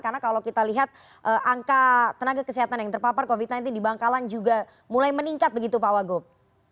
karena kalau kita lihat angka tenaga kesehatan yang terpapar covid sembilan belas di bangkalan juga mulai meningkat begitu pak wagub